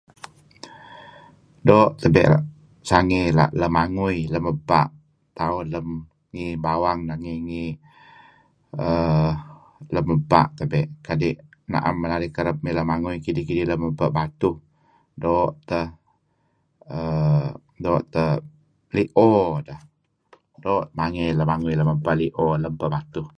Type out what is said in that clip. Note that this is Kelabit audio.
Doo' tebey' sangey la' lemangui lem ebba' tauh lem ngih bawang nangey... ngih err lem ebpa' tebey'. Kadi' na'em men narih emy lemangui kididh-kidih lem ebba' batuh. Doo' teh... err doo' teh li'o neh. Doo' mangey lemangui lem ebba' batuh